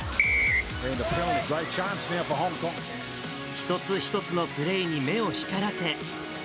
一つ一つのプレーに目を光らせ。